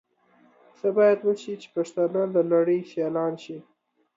څه بايد وشي چې پښتانهٔ د نړۍ سيالان شي؟